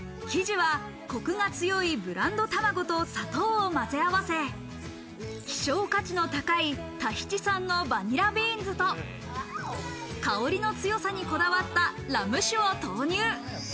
生地はこくが強いブランド卵と砂糖をまぜ合わせ、希少価値の高いタヒチ産のバニラビーンズと香りの強さにこだわったラム酒を投入。